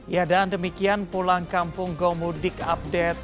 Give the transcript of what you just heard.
ya dan demikian pulang kampung gomudik update